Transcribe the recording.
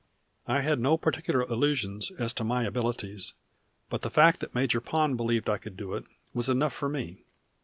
I had no particular illusions as to my abilities; but the fact that Major Pond believed I could do it was enough for me.